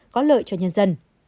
có lợi cho nhân dân